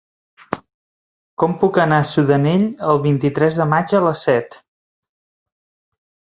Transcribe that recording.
Com puc anar a Sudanell el vint-i-tres de maig a les set?